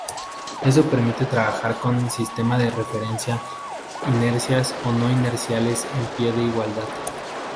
Eso permite trabajar con sistema de referencia inerciales o no-inerciales en pie de igualdad.